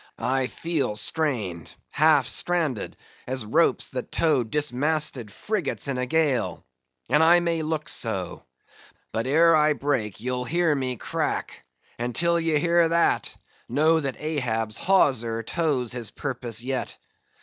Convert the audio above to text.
I feel strained, half stranded, as ropes that tow dismasted frigates in a gale; and I may look so. But ere I break, ye'll hear me crack; and till ye hear that, know that Ahab's hawser tows his purpose yet.